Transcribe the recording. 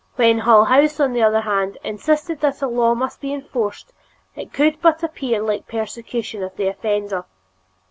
When Hull House on the other hand insisted that a law must be enforced, it could but appear like the persecution of the offender.